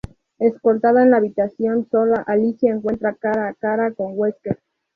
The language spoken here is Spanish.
Escoltada en la habitación sola, Alicia encuentra cara a cara con Wesker.